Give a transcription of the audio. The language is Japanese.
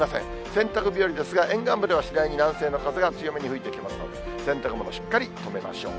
洗濯日和ですが、沿岸部では次第に南西の風が強めに吹いてきますので、洗濯物、しっかり留めましょう。